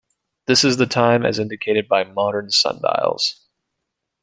This is the time as indicated by modern sundials.